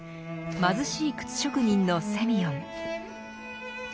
貧しい靴職人のセミヨン。